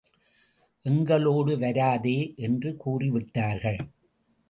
எங்களோடு வராதே! என்று கூறிவிட்டார்கள்.